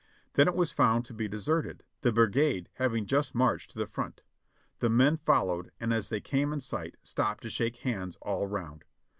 Then it was found to be deserted, the brigade having just marched to the front. The men fol lowed, and as they came in sight, stopped to shake hands all round.